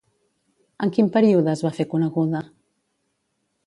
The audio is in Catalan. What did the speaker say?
En quin període es va fer coneguda?